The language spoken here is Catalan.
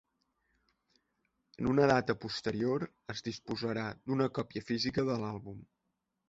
En una data posterior es disposarà d'una còpia física de l'àlbum.